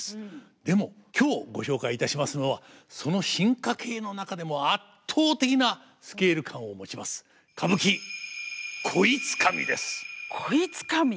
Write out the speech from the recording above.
でも今日ご紹介いたしますのはその進化形の中でも圧倒的なスケール感を持ちます「鯉つかみ」。